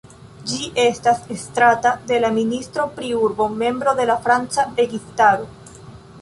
Ĝi estas estrata de la ministro pri urbo, membro de la franca registaro.